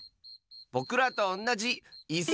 ぼくらとおんなじいす！